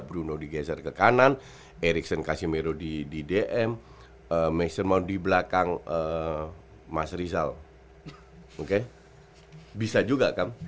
bruno digeser ke kanan ericson kasimero di dm maker mau di belakang mas rizal oke bisa juga kan